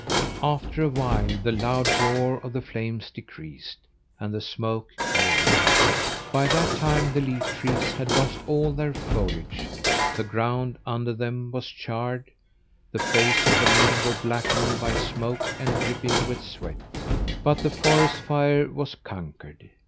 After a while the loud roar of the flames decreased, and the smoke cleared. By that time the leaf trees had lost all their foliage, the ground under them was charred, the faces of the men were blackened by smoke and dripping with sweat; but the forest fire was conquered.